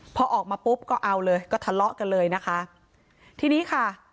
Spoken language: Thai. พอออกมาปุ๊บก็เอาเลยก็ทะเลาะกันเลยนะคะทีนี้ค่ะ